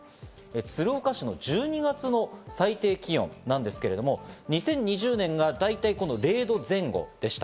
鶴岡市の１２月の最低気温なんですけれども、２０２０年が大体０度前後でした。